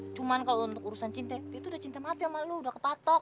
cuman kalo untuk urusan cinta dia tuh udah cinta mati sama lu udah kepatok